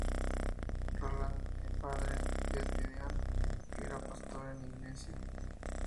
Roland", el padre de Ed y Dean, que era Pastor en esa iglesia.